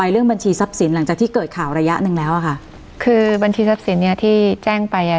เรื่องบัญชีทรัพย์สินหลังจากที่เกิดข่าวระยะหนึ่งแล้วอะค่ะคือบัญชีทรัพย์สินเนี้ยที่แจ้งไปอ่ะ